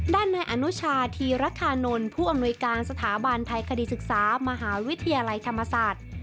ด้านในอนุชาธีรคานนท์ผู้อำนวยการสถาบันไทยคดีศึกษามหาวิทยาลัยธรรมศาสตร์